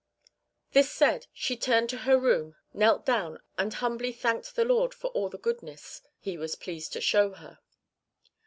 This said, she turned to her room, knelt down, and humbly thanked the Lord for all the goodness He was pleased to show her."